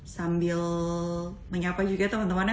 sambil menyapa juga teman teman yang sudah berada